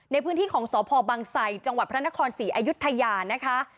ในพื้นที่ของสพบังไสจังหวัดพระนครศรีอายุทยานะคะ